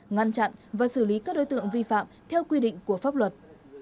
ngăn chặn và xử lý các đối tượng vi phạm theo quy định của pháp luật